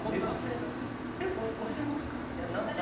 忘れますか？